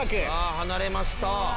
離れました。